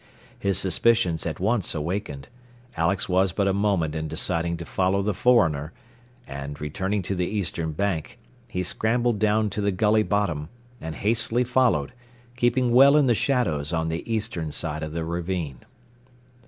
His suspicions at once awakened, Alex was but a moment in deciding to follow the foreigner, and returning to the eastern bank, he scrambled down to the gully bottom, and hastily followed, keeping well in the shadows on the eastern side of the ravine.